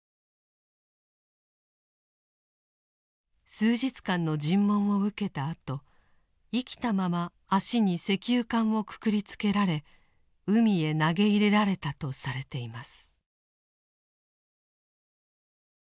数日間の尋問を受けたあと生きたまま足に石油缶をくくりつけられ海へ投げ入れられたとされています。